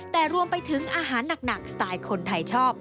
แต่รวมไปถึงอาหารหนักสไตล์คนไทยชอบ